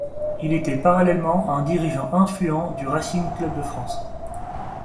Il était parallèlement un dirigeant influent du Racing Club de France.